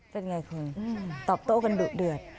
จะอย่างไรคุณตอบโต๊ะกันดื่อย